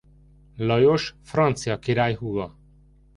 Lajos francia király húga.